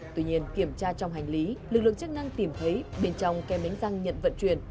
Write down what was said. tuy nhiên kiểm tra trong hành lý lực lượng chức năng tìm thấy bên trong kem bánh răng nhận vận chuyển